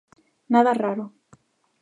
Nada raro.